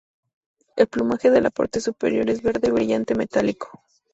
El plumaje de la parte superior es verde brillante metálico.